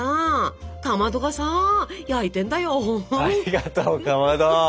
ありがとうかまど。